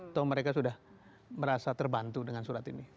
atau mereka sudah merasa terbantu dengan surat ini